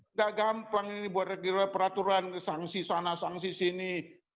nggak gampang ini buat peraturan sanksi sana sanksi sini